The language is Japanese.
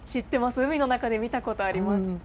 海の中で見たことあります。